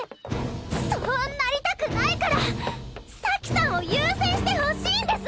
そうなりたくないから咲さんを優先してほしいんです！